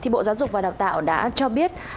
bộ giáo dục và đào tạo đã cho biết